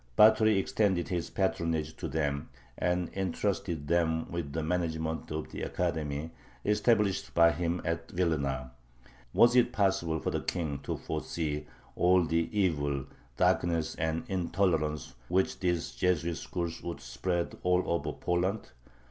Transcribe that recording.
Batory extended his patronage to them, and intrusted them with the management of the academy established by him at Vilna. Was it possible for the King to foresee all the evil, darkness, and intolerance which these Jesuit schools would spread all over Poland?